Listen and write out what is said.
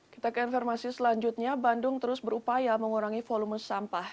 kita ke informasi selanjutnya bandung terus berupaya mengurangi volume sampah